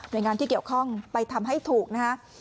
โดยงานที่เกี่ยวข้องไปทำให้ถูกนะฮะ